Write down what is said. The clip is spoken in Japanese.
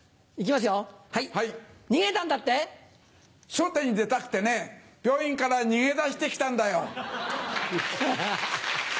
『笑点』に出たくてね病院から逃げ出して来たんだよ。